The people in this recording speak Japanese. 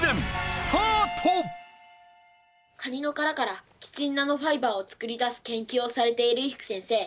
カニの殻からキチンナノファイバーを作り出す研究をされている伊福先生